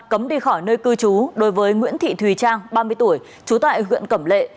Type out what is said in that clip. cấm đi khỏi nơi cư trú đối với nguyễn thị thùy trang ba mươi tuổi trú tại huyện cẩm lệ